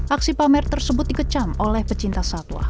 aksi pamer tersebut dikecam oleh pecinta satwa